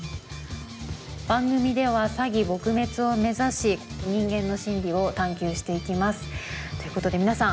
番組では詐欺撲滅を目指し人間の心理を探究していきます。ということで皆さんありがとうございました。